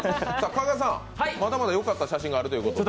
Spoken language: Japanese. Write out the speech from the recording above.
加賀さん、まだまだよかった写真があるということで。